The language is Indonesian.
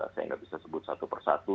saya nggak bisa sebut satu persatu